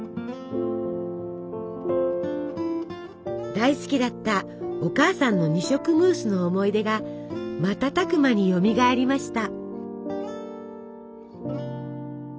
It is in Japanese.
大好きだったお母さんの二色ムースの思い出が瞬く間によみがえりました。